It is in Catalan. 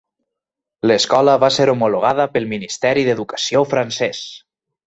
L'escola va ser homologada pel Ministeri d'Educació francès.